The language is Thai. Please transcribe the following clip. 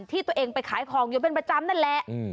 ที่ตัวเองไปขายของอยู่เป็นประจำนั่นแหละ